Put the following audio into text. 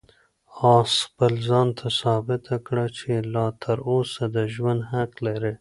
آس خپل ځان ته ثابته کړه چې لا تر اوسه د ژوند حق لري.